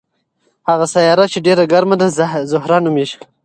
هغه سیاره چې ډېره ګرمه ده زهره نومیږي.